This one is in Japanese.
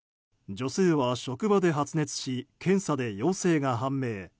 女性は職場で発熱し検査で陽性が判明。